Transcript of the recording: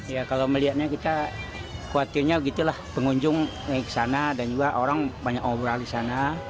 ya kalau melihatnya kita khawatirnya gitu lah pengunjung naik ke sana dan juga orang banyak obrol di sana